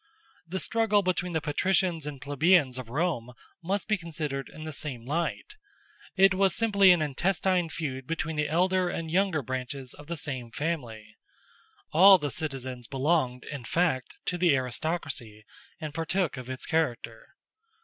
The struggle between the patricians and plebeians of Rome must be considered in the same light: it was simply an intestine feud between the elder and younger branches of the same family. All the citizens belonged, in fact, to the aristocracy, and partook of its character.